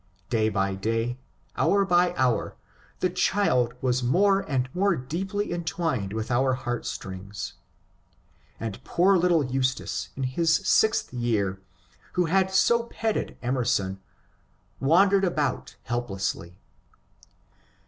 Day by day, hour by hour, the child was more and more deeply entwined with our heart strings. And poor little Eustace, in his sixth year, who had so petted Emerson, wan dered about helplessly.